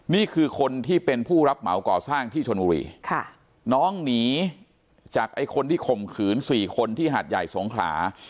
นี่คือคนที่เป็นผู้รับเหมาก่อสร้างที่ชนบุรีค่ะน้องหนีจากไอ้คนที่ข่มขืน๔คนที่หาดใหญ่สงขลา